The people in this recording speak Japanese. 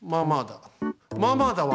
まあまあだ。